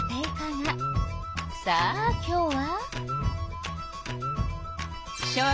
さあ今日は。